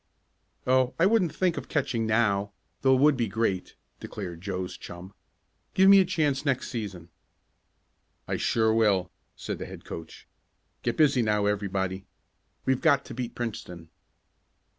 "Oh, I wouldn't think of catching now, though it would be great," declared Joe's chum. "Give me a chance next season." "I sure will," said the head coach. "Get busy now, everybody. We've got to beat Princeton!"